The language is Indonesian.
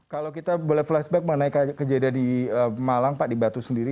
kalau kita boleh flashback mengenai kejadian di malang pak di batu sendiri